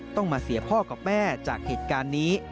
ต้องมาเสียพ่อกับแม่จากเหตุการณ์นี้